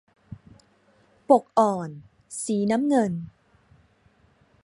ปกอ่อน สีน้ำเงิน